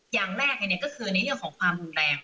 อย่างแรกก็คือในเรื่องของความรุนแรง